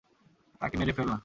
তাকে মেরে ফেল না।